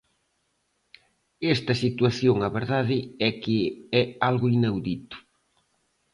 Esta situación a verdade é que é algo inaudito.